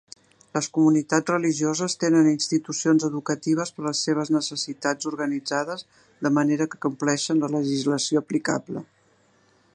Les comunitats religioses tenen institucions educatives per a les seves necessitats organitzades de manera que compleixen la legislació aplicable.